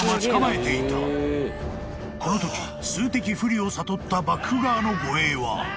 ［このとき数的不利を悟った幕府側の護衛は］